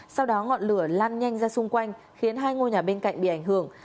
sau đó ngọn lửa lan nhanh ra xung quanh khiến hai ngôi nhà bên cạnh bị ảnh hưởng